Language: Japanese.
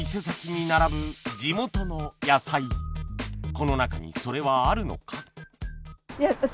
この中にそれはあるのか